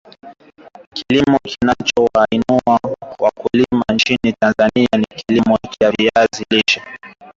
kilimo kinachowainua wakulima nchini Tanzania ni kilimo cha viazi lishe